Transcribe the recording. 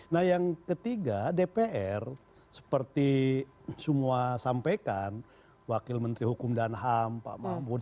nah yang ketiga dpr seperti semua sampaikan wakil menteri hukum dan ham pak mahfuddin